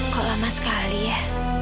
kok lama sekali ya